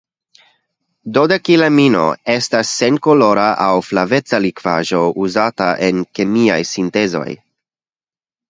Dodekilamino estas senkolora aŭ flaveca likvaĵo uzata en kemiaj sintezoj.